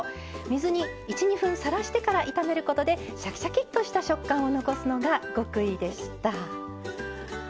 水に１２分さらしてから炒めることでシャキシャキッとした食感を残すのが極意でした。